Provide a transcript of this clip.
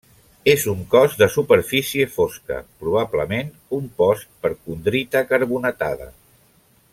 És un cos de superfície fosca, probablement compost per condrita carbonatada.